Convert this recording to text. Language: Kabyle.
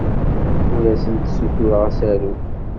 Ur asent-ssutureɣ asaruf.